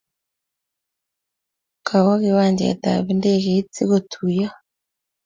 Kowo kiwanjet ap ndeget si kotuyon